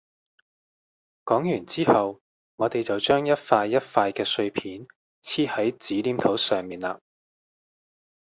講完之後我哋就將一塊一塊嘅碎片黐喺紙黏土上面嘞